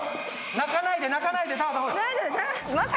泣かないで泣かないで太川さん。